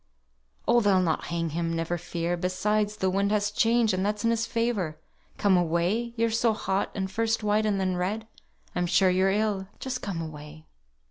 "Oh! they'll not hang him! never fear! Besides the wind has changed, and that's in his favour. Come away. You're so hot, and first white and then red; I'm sure you're ill. Just come away."